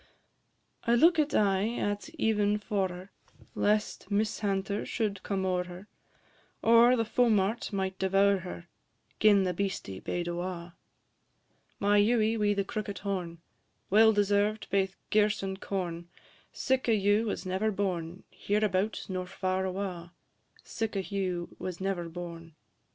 I lookit aye at even' for her, Lest mishanter should come o'er her, Or the fowmart might devour her, Gin the beastie bade awa; My Ewie wi' the crookit horn, Well deserved baith girse and corn, Sic a Ewe was never born, Hereabout nor far awa'; Sic a Ewe was never born, &c.